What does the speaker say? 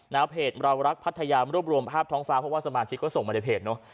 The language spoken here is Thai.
เพจเรารักพัทยารวบรวมภาพท้องฟ้าเพราะว่าสมาชิกก็ส่งมาในเพจเนอะ